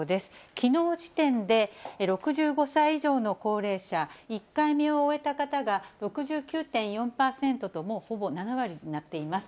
きのう時点で６５歳以上の高齢者、１回目を終えた方が６９．４％ともうほぼ７割になっています。